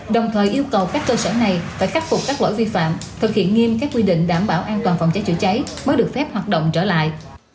đồng thời yêu cầu các cơ sở này phải khắc phục các lỗi vi phạm thực hiện nghiêm các quy định đảm bảo an toàn phòng cháy chữa cháy mới được phép hoạt động trở lại